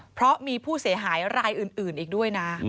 เพราะมีผู้เสียหายรายอื่นอีกด้วยนะ